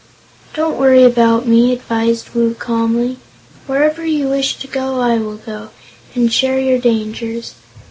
"Don't worry about me," advised Woot, calmly. "Wherever you wish to go, I will go, and share your dangers.